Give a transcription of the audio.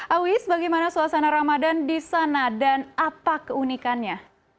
awis bagaimana suasana ramadan di sana dan apa keunikannya